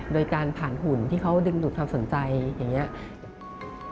โดยการผ่านหุ่นที่เขาดึงดูดความสนใจอย่างนี้